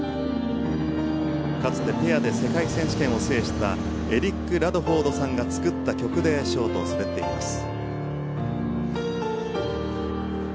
かつてペアで世界選手権を制したエリック・ラドフォードさんが作った曲でショートを滑っています。